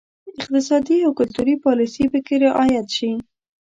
اقتصادي او کلتوري پالیسي پکې رعایت شي.